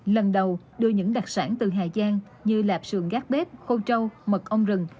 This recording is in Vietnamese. lần đầu đưa những đặc sản từ hà giang như lạp sườn gác bếp khô trâu mực ong rừng